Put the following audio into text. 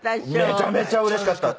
めちゃめちゃうれしかった。